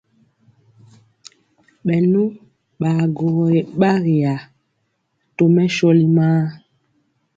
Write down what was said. Bɛnu baguɔgo ye gbagi ya tɔmɛ shóli maa.